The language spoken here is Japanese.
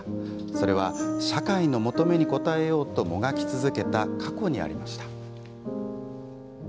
それは社会の求めに応えようともがき続けた過去にありました。